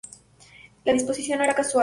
La disposición no era casual.